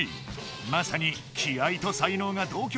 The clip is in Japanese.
まさに気合いと才能が同きょ